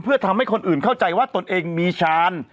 เพื่อทำให้คนอื่นเข้าใจว่าตนเองมีชาญ